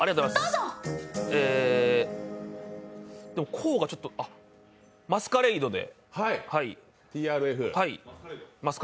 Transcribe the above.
高がちょっと「マスカレイド」で。